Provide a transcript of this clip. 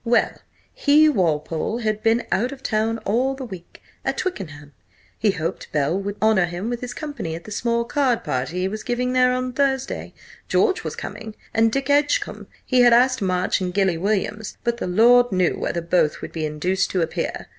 Well, he, Walpole, had been out of town all the week–at Twickenham. He hoped Bel. would honour him with his company at the small card party he was giving there on Thursday. George was coming, and Dick Edgecumbe; he had asked March and Gilly Williams, but the Lord knew whether both would be induced to appear!